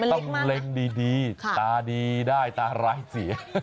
ต้องเล็งดีตาดีได้ตาไร้เสีย